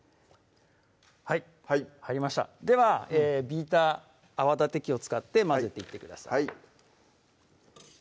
はい入りましたではビーター泡立て器を使って混ぜていってください